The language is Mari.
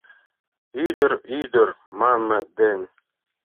«Ӱдыр, ӱдыр» манмет ден